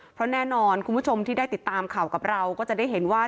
เพราะแน่นอนคุณผู้ชมที่ได้ติดตามข่าวกับเราก็จะได้เห็นว่า